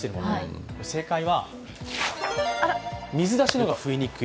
正解は水出しの方が増えにくい。